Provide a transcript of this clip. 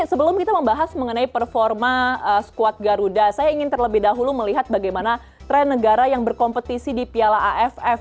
sebelum kita membahas mengenai performa squad garuda saya ingin terlebih dahulu melihat bagaimana tren negara yang berkompetisi di piala aff